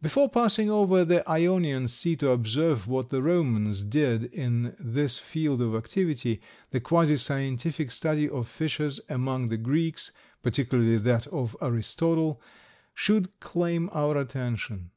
Before passing over the Ionian Sea to observe what the Romans did in this field of activity, the quasi scientific study of fishes among the Greeks, particularly that of Aristotle, should claim our attention.